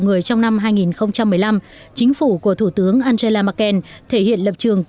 người trong năm hai nghìn một mươi năm chính phủ của thủ tướng angela merkel thể hiện lập trường